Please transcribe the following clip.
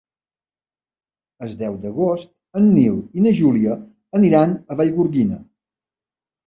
El deu d'agost en Nil i na Júlia aniran a Vallgorguina.